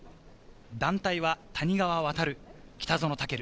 団体は谷川航、北園丈琉。